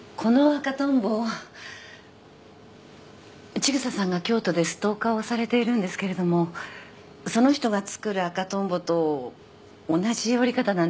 千草さんが京都でストーカーをされているんですけれどもその人が作る赤トンボと同じ折り方なんです。